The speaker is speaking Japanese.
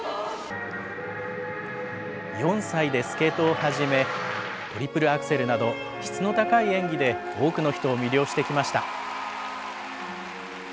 ４歳でスケートを始め、トリプルアクセルなど、質の高い演技で、多くの人を魅了してきました。